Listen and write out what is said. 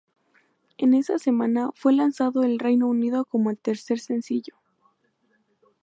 En esa semana, fue lanzado en Reino Unido como el tercer sencillo.